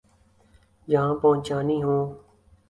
جہاں پہنچانی ہوں۔